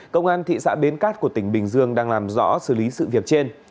công an thị xã bến cát của tỉnh bình dương đang làm rõ xử lý sự việc trên